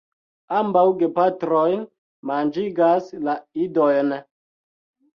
Ambaŭ gepatroj manĝigas la idojn.